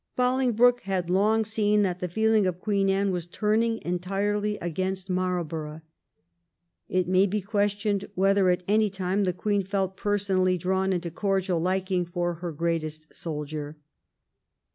Bolingbroke had long seen that the feeling of Queen Anne was turning entirely against Marl borough. It may be questioned whether at any time the Queen felt personally drawn into cordial liking for her greatest soldier.